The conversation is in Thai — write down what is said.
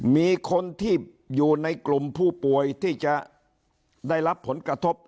มีคนที่อยู่ในกลุ่มผู้ป่วยที่จะได้รับผลกระทบ